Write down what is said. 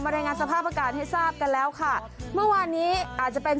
รายงานสภาพอากาศให้ทราบกันแล้วค่ะเมื่อวานนี้อาจจะเป็น